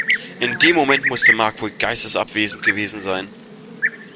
In dem Moment musste Mark wohl geistesabwesend gewesen sein.